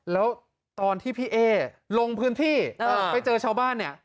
แล้วตอนที่พี่เอ๊ลงพื้นที่ไปเจอชาวบ้านเนี่ย